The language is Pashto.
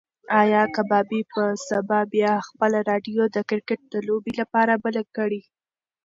ایا کبابي به سبا بیا خپله راډیو د کرکټ د لوبې لپاره بله کړي؟